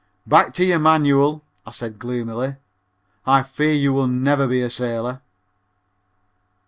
"Back to your manual," said I gloomily, "I fear you will never be a sailor."